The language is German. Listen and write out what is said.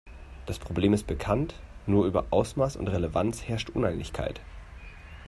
Das Problem ist bekannt, nur über Ausmaß und Relevanz herrscht Uneinigkeit.